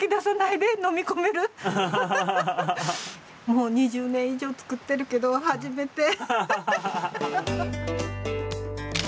もう２０年以上作ってるけど初めて。